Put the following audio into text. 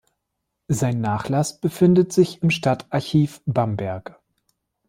Sein Nachlass befindet sich im Stadtarchiv Bamberg.